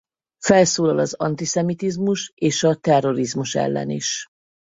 Felszólal az antiszemitizmus és a terrorizmus ellen is.